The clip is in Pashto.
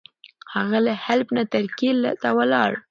هغه له حلب نه ترکیې ته ولاړ.